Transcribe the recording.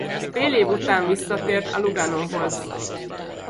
Fél év után visszatért a Luganóhoz.